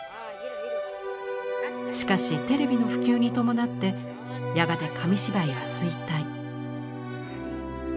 しかしテレビの普及に伴ってやがて紙芝居は衰退。